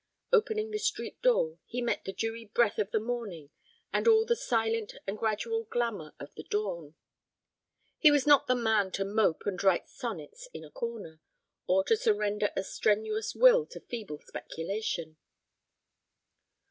Opening the street door, he met the dewy breath of the morning and all the silent and gradual glamour of the dawn. He was not the man to mope and write sonnets in a corner, or to surrender a strenuous will to feeble speculation.